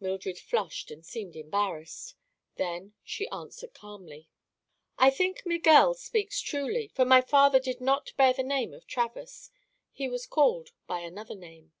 Mildred flushed and seemed embarrassed. Then she answered calmly: "I think Miguel speaks truly, for my father did not bear the name of Travers. He was called by another name."